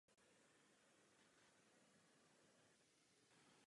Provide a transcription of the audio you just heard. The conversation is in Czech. Lesy na severu jsou součástí přírodního parku Baba.